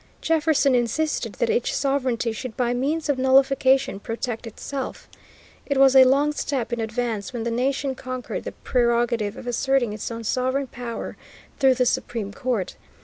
Jefferson insisted that each sovereignty should by means of nullification protect itself. It was a long step in advance when the nation conquered the prerogative of asserting its own sovereign power through the Supreme Court.